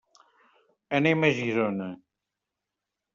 Anem a Girona.